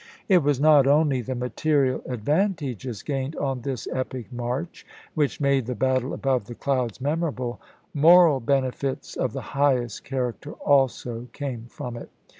It was not only the material advantages gained on this epic march which made the " battle above the clouds " memorable: moral benefits of the highest character also came from it.